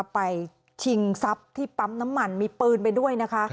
ชิงทรัพย์ที่ปั๊มน้ำมันมีปืนไปด้วยนะคะ